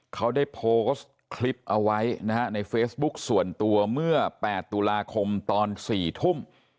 เขาได้โพสต์คลิปเอาไว้นะฮะในเฟซบุ๊กส่วนตัวเมื่อ๘ตุลาคมตอน๔ทุ่ม